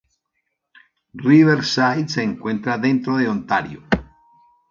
Riverside se encuentra dentro de Ontario.